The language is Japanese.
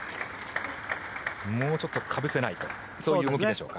もうちょっとかぶせないかという動きでしょうか。